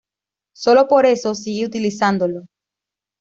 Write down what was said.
Solo por eso, sigue utilizándolo.